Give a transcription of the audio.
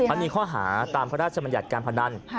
อันนี้ข้อหาตามพระราชบัญญัติการพนัน